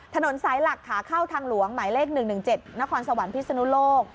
ถนนสายหลักขาเข้าทางหลวงหมายเลข๑๑๗นครสวรรค์พิศนุโลก